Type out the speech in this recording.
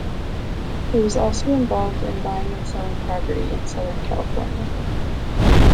He also was involved in buying and selling property in Southern California.